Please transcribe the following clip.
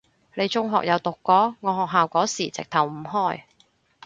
你中學有讀過？我學校嗰時直頭唔開